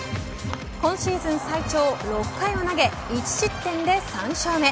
今シーズン最長６回を投げ、１失点で３勝目。